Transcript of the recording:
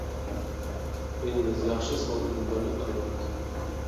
ئىنىمىز ياخشى سودىدىن بىرنى قىلىۋاپتۇ.